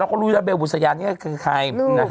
เราก็รู้ไว้เบลบุษยากินใคร